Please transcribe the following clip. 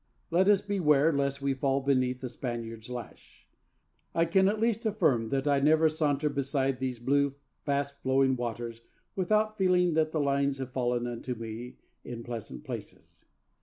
Let us beware lest we fall beneath the Spaniard's lash. For myself, I can at least affirm that I never saunter beside these blue, fast flowing waters without feeling that the lines have fallen unto me in pleasant places.